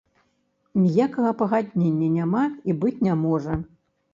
Ніякага пагаднення няма і быць не можа.